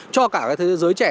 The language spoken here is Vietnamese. cho cả thế giới trẻ